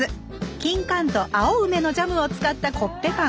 きんかんと青梅のジャムを使ったコッペパン。